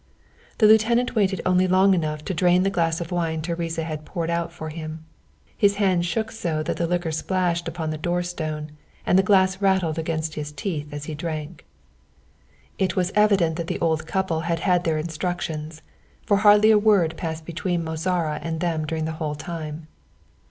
The lieutenant waited only long enough to drain the glass of wine Teresa had poured out for him. His hand shook so that the liquor splashed upon the door stone, and the glass rattled against his teeth as he drank. It was evident that the old couple had had their instructions, for hardly a word passed between Mozara and them during the whole time.